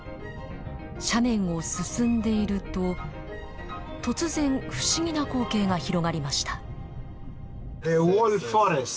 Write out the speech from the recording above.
斜面を進んでいると突然不思議な光景が広がりました。